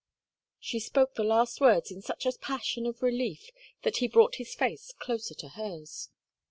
She spoke the last words in such a passion of relief that he brought his face closer to hers.